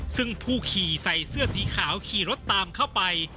ซึ่งผู้ขี่ใส่เสื้อสีขาวขี่รถตามเข้าไป